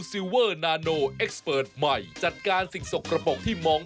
เดี๋ยวลองมาดูช่วงหน้าสักครู่เดียวค่ะ